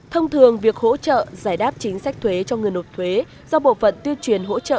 thông thường việc hỗ trợ giải đáp chính sách thuế cho người nộp thuế do bộ phận tuyên truyền hỗ trợ